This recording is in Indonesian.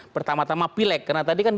pertama tama pileg karena tadi kan